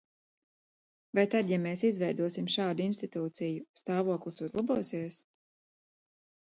Vai tad, ja mēs izveidosim šādu institūciju, stāvoklis uzlabosies?